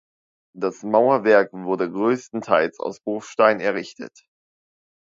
Das Mauerwerk wurde größtenteils aus Bruchstein errichtet.